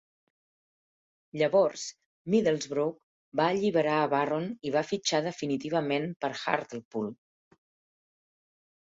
Llavors, Middlesbrough va alliberar a Barron i va fitxar definitivament per Hartlepool.